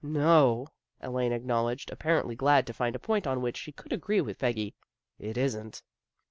"No!" Elaine acknowledged, apparently glad to find a point on which she could agree with Peggy. " It isn't."